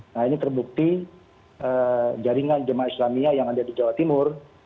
nah ini terbukti jaringan jemaah islamiyah yang ada di jawa timur